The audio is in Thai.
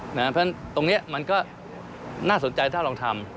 เพราะฉะนั้นตรงนี้มันก็น่าสนใจถ้าลองทำ